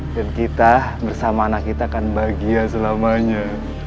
kita bersama anak kita akan bahagia selamanya